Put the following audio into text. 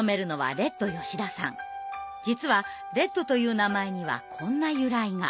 実はレッドという名前にはこんな由来が。